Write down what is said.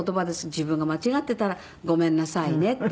自分が間違ってたら「ごめんなさいね」っていう言葉。